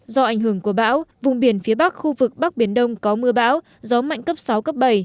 do ảnh hưởng của bão vùng biển phía bắc khu vực bắc biển đông có mưa bão gió mạnh cấp sáu cấp bảy